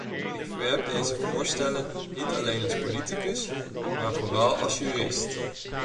Ik verwerp deze voorstellen niet alleen als politicus, maar vooral als jurist.